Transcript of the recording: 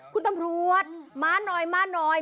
คุณตำรวจมาหน่อยมาหน่อย